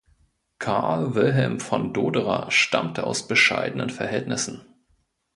Carl Wilhelm von Doderer stammte aus bescheidenen Verhältnissen.